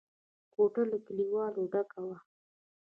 کوټه له کليوالو ډکه وه.